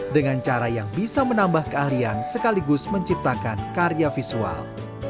dengan cara yang bisa menambah keahlian sekaligus menciptakan karya visual